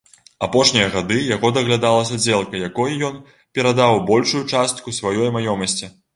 Апошнія гады яго даглядала сядзелка, якой ён перадаў большую частку сваёй маёмасці.